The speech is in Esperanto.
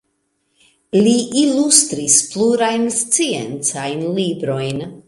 Li ilustris plurajn sciencajn librojn.